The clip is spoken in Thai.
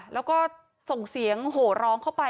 แล้วก็ส่งเสียงโหร้องเข้าไป